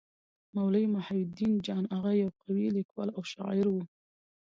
مولوي محی الدين جان اغا يو قوي لیکوال او شاعر وو.